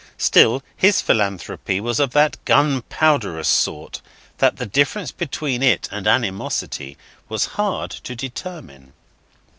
still his philanthropy was of that gunpowderous sort that the difference between it and animosity was hard to determine.